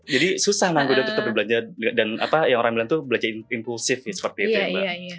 jadi susah menanggulkan untuk berbelanja dan apa yang orang bilang itu belanja impulsif ya seperti itu ya mbak